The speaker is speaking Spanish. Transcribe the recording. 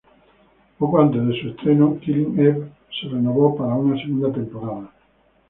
Poco antes de su estreno, "Killing Eve" se renovó para una segunda temporada.